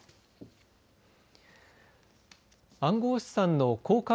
暗号資産の交換